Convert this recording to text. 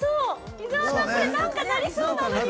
伊沢さん、なんかなりそうなのに、